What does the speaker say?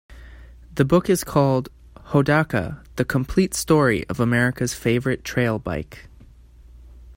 The book is called "Hodaka: The Complete Story of America's Favorite Trailbike".